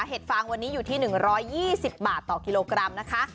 ฟางวันนี้อยู่ที่๑๒๐บาทต่อกิโลกรัมนะคะ